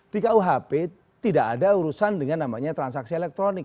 di kuhp tidak ada urusan dengan namanya transaksi elektronik